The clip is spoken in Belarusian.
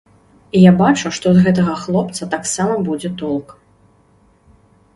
Я бачу, што з гэтага хлопца таксама будзе толк.